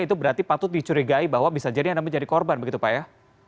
itu berarti patut dicurigai bahwa bisa jadi anda menjadi korban begitu pak ya